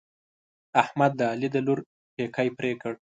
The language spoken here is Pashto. احمد د علي د لور پېکی پرې کړ.